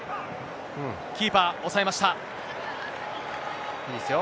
キーパー、抑えました。